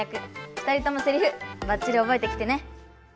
２人ともセリフばっちりおぼえてきてね。